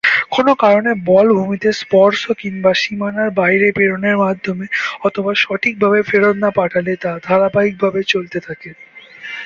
কোন কারণে বল ভূমিতে স্পর্শ কিংবা সীমানার বাইরে প্রেরণের মাধ্যমে অথবা সঠিকভাবে ফেরত না পাঠালে তা ধারাবাহিকভাবে চলতে থাকে।